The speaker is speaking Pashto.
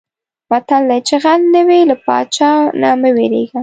متل دی: چې غل نه وې له پادشاه نه مه وېرېږه.